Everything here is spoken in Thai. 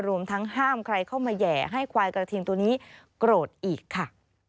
รวมทั้งห้ามใครเข้ามาแห่ให้ควายกระทิงตัวนี้โกรธอีกค่ะ